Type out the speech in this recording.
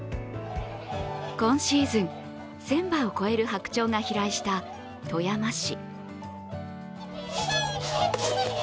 今シーズン、１０００羽を超える白鳥が飛来した富山市。